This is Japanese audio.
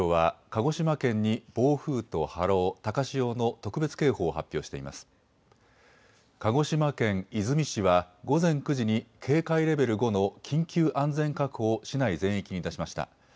鹿児島県出水市は午前９時に警戒レベル５の緊急安全確保を市内全域に出しました。